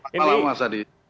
selamat malam mas adi